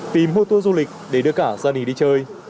tìm hô tour du lịch để đưa cả gia đình đi chơi